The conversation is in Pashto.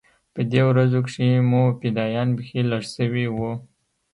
په دې ورځو کښې مو فدايان بيخي لږ سوي وو.